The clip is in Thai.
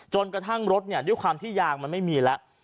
กระทั่งรถด้วยความที่ยางมันไม่มีแล้ว